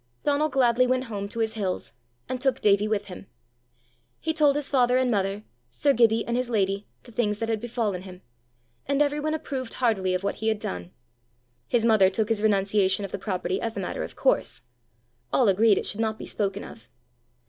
Donal gladly went home to his hills, and took Davie with him. He told his father and mother, sir Gibbie and his lady, the things that had befallen him, and every one approved heartily of what he had done. His mother took his renunciation of the property as a matter of course. All agreed it should not be spoken of.